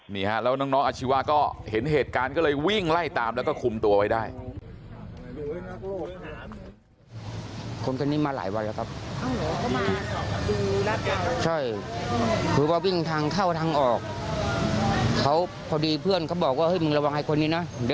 นี่ฮะแล้วน้องอาชีวะก็เห็นเหตุการณ์ก็เลยวิ่งไล่ตามแล้วก็คุมตัวไว้ได้